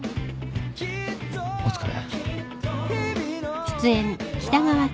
お疲れ。